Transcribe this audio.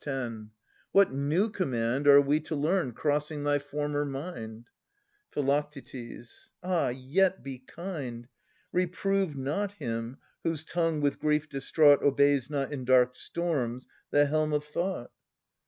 Ch. 10. What new command are we to learn Crossing thy former mind ? Phi. Ah ! yet be kind. Reprove not him, whose tongue, with grief distraught, Obeys not, in dark storms, the helm of thought!